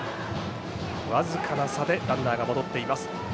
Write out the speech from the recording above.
僅かな差でランナーが戻っています。